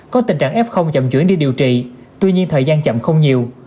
có tình trạng f chậm chuyển đi điều trị tuy nhiên thời gian chậm không nhiều